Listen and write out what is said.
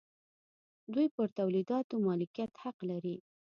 دوی پر تولیداتو مالکیت حق لري.